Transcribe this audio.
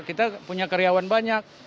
kita punya karyawan banyak